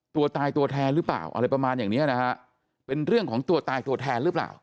ตัวตายตัวแทนหรือเปล่าอะไรประมาณอย่างเนี้ยนะฮะเป็นเรื่องของตัวตายตัวแทนหรือเปล่า